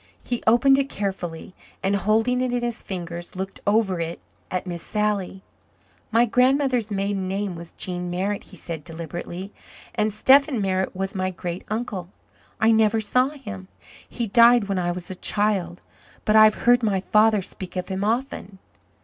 He opened it carefully and, holding it in his fingers, looked over it at Miss Sally. "My grandmother's maiden name was Jean Merritt," he said deliberately, "and Stephen Merritt was my great uncle. I never saw him he died when I was a child but I've heard my father speak of him often."